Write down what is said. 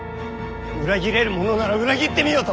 裏切れるものなら裏切ってみよと！